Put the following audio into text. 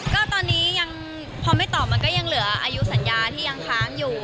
ก็ตอนนี้ยังพอไม่ตอบมันก็ยังเหลืออายุสัญญาที่ยังค้างอยู่